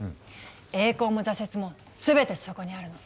栄光も挫折も全てそこにあるの。